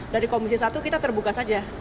dari komisi satu kita terbuka saja